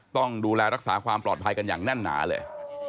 ต้องดูแลรักษาความปลอดภัยกันอย่างแน่นหนาเลย